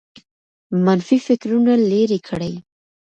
منفي فکرونه لیرې کړئ.